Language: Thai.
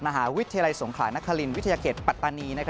มหาวิทยาลัยสงขลานครินวิทยาเขตปัตตานี